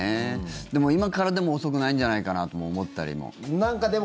でも、今からでも遅くないんじゃないかなとも思ったりも。